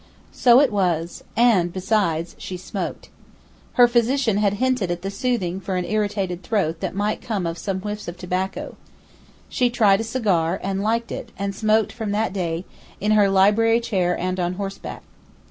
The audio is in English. So it was; and, besides, she smoked. Her physician had hinted at the soothing for an irritated throat that might come of some whiffs of tobacco. She tried a cigar, and liked it, and smoked from that day, in her library chair and on horseback.